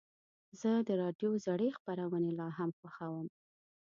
زه د راډیو زړې خپرونې لا هم خوښوم.